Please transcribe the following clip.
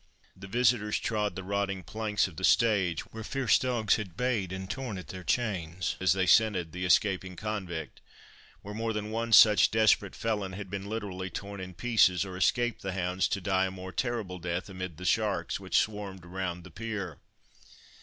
The visitors trod the rotting planks of the stage, where fierce dogs had bayed and torn at their chains, as they scented the escaping convict—where more than one such desperate felon had been literally torn in pieces, or escaped the hounds to die a more terrible death amid the sharks which swarmed around the pier.